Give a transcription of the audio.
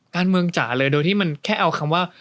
การเมืองจ่าเลยโดยที่มันแค่เอาคำว่า